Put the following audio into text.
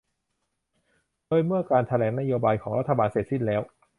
โดยเมื่อการแถลงนโยบายของรัฐบาลเสร็จสิ้นแล้ว